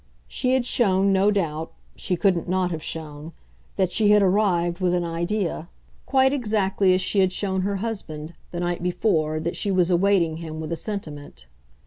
She had shown, no doubt she couldn't not have shown that she had arrived with an idea; quite exactly as she had shown her husband, the night before, that she was awaiting him with a sentiment.